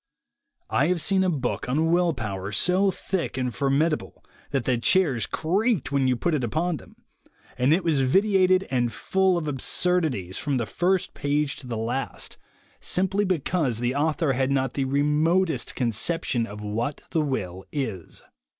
I have seen a book on Will Power so thick and formidable that the chairs creaked when you put it upon them, and it was vitiated and full of absurdities from the first 16 THE WAY TO WILL POWER page to the last, simply because the author had not the remotest conception of what the will is.